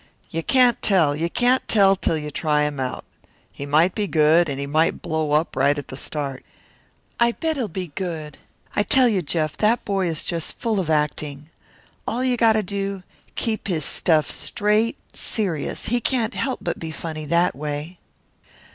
"You can't tell. You can't tell till you try him out. He might be good, and he might blow up right at the start." "I bet he'll be good. I tell you. Jeff, that boy is just full of acting. All you got to do keep his stuff straight, serious. He can't help but be funny that way."